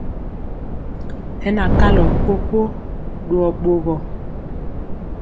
Hɛ na kalɔ kpokpo ɗuyɔ ɓogɔ.